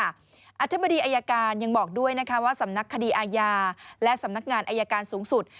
อธิบดีอายการยังบอกด้วยนะคะว่าสำนักคดีอาญาและสำนักงานอายการสูงสุด